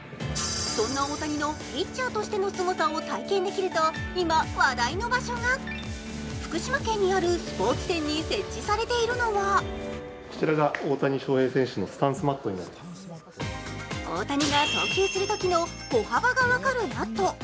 そんな大谷のピッチャーとしてのすごさを体験できると今、話題の場所が福島県にあるスポーツ店に設置されているのが大谷が投球するときの歩幅が分かるマット。